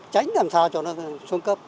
tránh làm sao cho nó xuống cấp